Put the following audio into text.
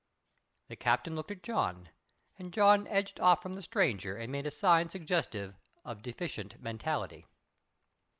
The Captain looked at John and John edged off from the stranger and made a sign suggestive of deficient mentality.